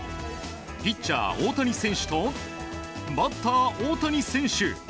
ピッチャー大谷選手とバッター大谷選手。